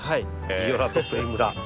「ビオラ」と「プリムラ」。